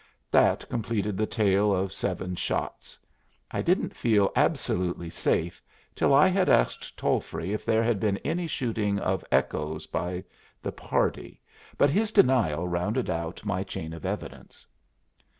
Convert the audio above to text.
That completed the tale of seven shots. I didn't feel absolutely safe till I had asked Tolfree if there had been any shooting of echoes by the party, but his denial rounded out my chain of evidence.